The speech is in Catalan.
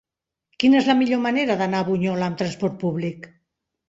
Quina és la millor manera d'anar a Bunyola amb transport públic?